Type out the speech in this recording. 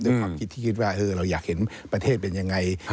ด้วยความคิดที่คิดว่าเราอยากเห็นประเทศเป็นยังไง